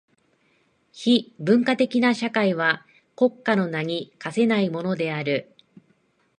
非文化的な社会は国家の名に価せないものである。